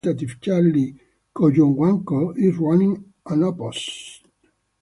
Incumbent Representative Charlie Cojuangco is running unopposed.